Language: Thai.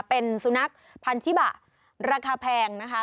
เป็นสุนัขพันธิบะราคาแพงนะคะ